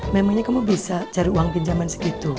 memangnya kamu bisa cari uang pinjaman segitu